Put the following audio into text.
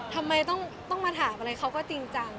ทำไมต้องมาถามอะไรเขาก็จริงจัง